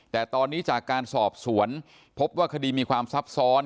แต่ตอนนี้จากการสอบสวนพบว่าคดีมีความซับซ้อน